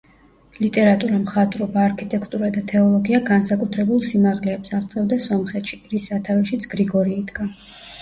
ლიტერატურა, მხატვრობა, არქიტექტურა და თეოლოგია განსაკუთრებულ სიმაღლეებს აღწევდა სომხეთში, რის სათავეშიც გრიგორი იდგა.